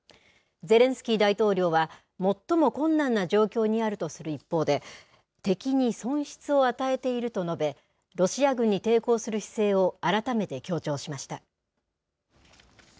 ゼレンスキー大統領は、最も困難な状況にあるとする一方で、敵に損失を与えていると述べ、ロシア軍に抵抗する姿勢を改めて強調しました。